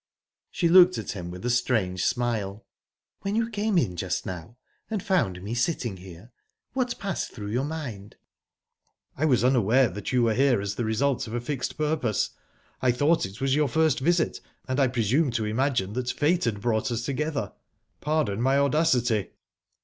She looked at him with a strange smile. "When you came in just now, and found me sitting here, what passed through your mind?" "I was unaware that you were here as the result of a fixed purpose. I thought it was your first visit, and I presumed to imagine that fate had brought us together. Pardon my audacity."